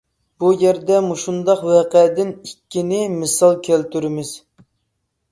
بۇ يەردە مۇشۇنداق ۋەقەدىن ئىككىنى مىسال كەلتۈرىمىز.